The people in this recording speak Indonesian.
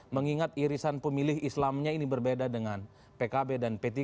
mengingat irisan pemilih islamnya ini berbeda dengan pkb dan p tiga